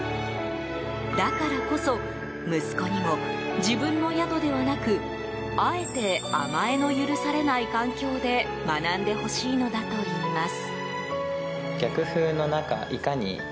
だからこそ、息子にも自分の宿ではなくあえて甘えの許されない環境で学んでほしいのだといいます。